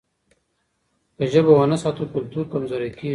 که ژبه ونه ساتو کلتور کمزوری کېږي.